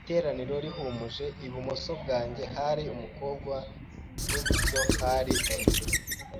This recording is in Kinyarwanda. Iteraniro rihumuje, ibumoso bwanjye hari umukobwa n’iburyo hari undi,